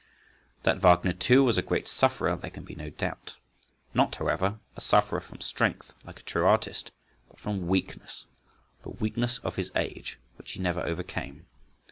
That Wagner, too, was a great sufferer, there can be no doubt; not, however, a sufferer from strength, like a true artist, but from weakness—the weakness of his age, which he never overcame.